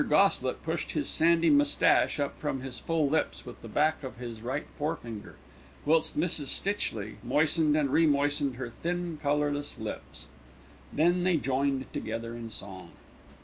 Goslett pushed his sandy moustache up from his full lips with the back of his right forefinger, whilst Miss Stitchley moistened and remoistened her thin, colourless lips. Then they joined together in song.